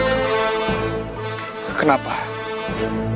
jika kamu mencari jalan ke tempat lain